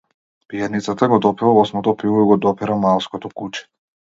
Пијаницата го допива осмото пиво и го допира маалското куче.